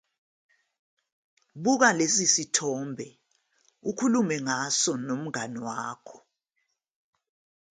Buka lesi sithombe ukhulume ngaso nomngani wakho.